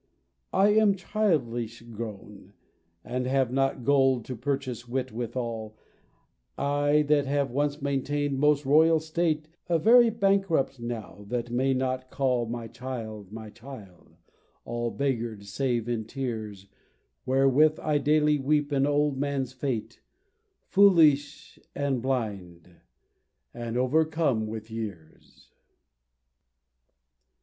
I am childish grown And have not gold to purchase wit withal I that have once maintain'd most royal state A very bankrupt now that may not call My child, my child all beggar'd save in tears, Wherewith I daily weep an old man's fate, Foolish and blind and overcome with years!